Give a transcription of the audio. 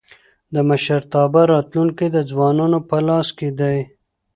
د مشرتابه راتلونکی د ځوانانو په لاس کي دی.